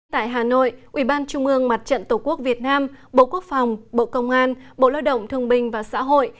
tại hà nội ủy ban trung ương mặt trận tổ quốc việt nam bộ quốc phòng bộ công an bộ lao động thương binh và xã hội